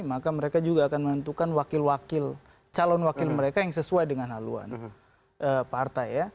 maka mereka juga akan menentukan wakil wakil calon wakil mereka yang sesuai dengan haluan partai ya